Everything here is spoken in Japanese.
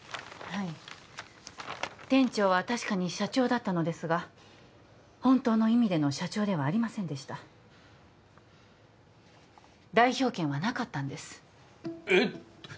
はい店長は確かに社長だったのですが本当の意味での社長ではありませんでした代表権はなかったんですえっ